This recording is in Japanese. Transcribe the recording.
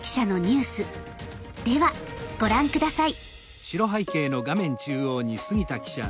ではご覧下さい。